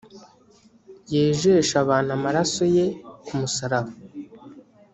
yejeshe abantu amaraso ye kumusaraba